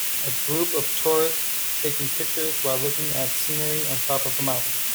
A group of tourist taking pictures, while looking at scenery on top of a mountain.